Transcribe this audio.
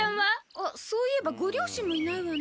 あっそういえばご両親もいないわね。